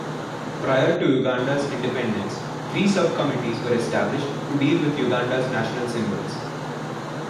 Prior to Uganda's independence, three sub-committees were established to deal with Uganda's national symbols.